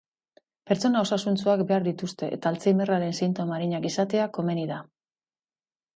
Pertsona osasuntsuak behar dituzte eta alzheimerraren sintoma arinak izatea komeni da.